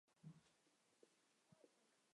其后陆续遇到同伴阿帕因及毛美。